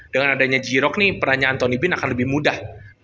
dengan adanya g rock nih perannya antoni bin akan lebih mudah